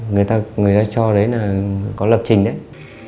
người ta cho đấy là có lập trình đấy